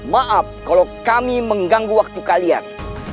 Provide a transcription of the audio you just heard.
maaf kalau kami mengganggu waktu kalian